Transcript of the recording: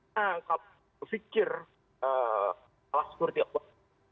kita pikir alas security operasi